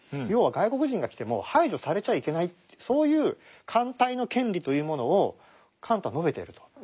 要は外国人が来ても排除されちゃいけないってそういう歓待の権利というものをカントは述べていると。